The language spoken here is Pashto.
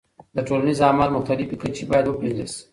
د ټولنیز عمل مختلف کچې باید وپیژندل سي.